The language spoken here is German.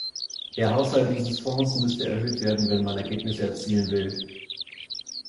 Der Haushalt dieses Fonds müsste erhöht werden, wenn man Ergebnisse erzielen will.